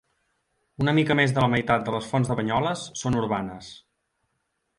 Una mica més de la meitat de les fonts de Banyoles són urbanes.